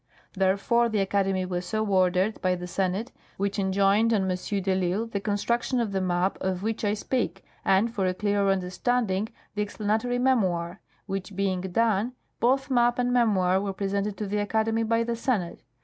Therefore the Academy was so ordered by the Senate, which enjoined on M. de risle the construction of the map of which I speak, and, for a clearer understanding, an explanatory memoir ; which being done, both map and memoir were presented to the Academy by the Senate.